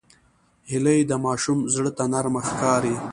هیلۍ د ماشوم زړه ته نرمه ښکاري